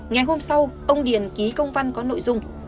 ngày hôm sau ông điền ký công văn có nội dung